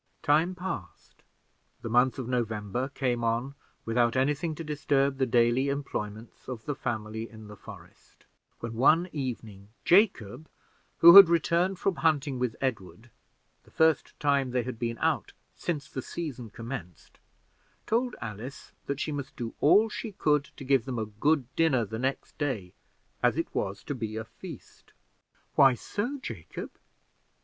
Time passed; the month of November came on without any thing to disturb the daily employments of the family in the forest: when one evening, Jacob, who had returned from hunting with Edward (the first time they had been out since the season commenced) told Alice that she must do all she could to give them a good dinner the next day, as it was to be a feast. "Why so, Jacob?"